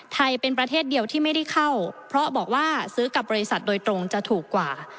ไทยเป็นประเทศเดียวที่ไม่ได้เข้าเพราะบอกว่าซื้อกับบริษัทโดยตรงจะถูกกว่า